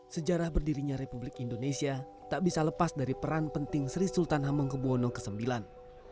sejarah berdirinya republik indonesia tak bisa lepas dari peran penting sri sultan hamengkubwono ix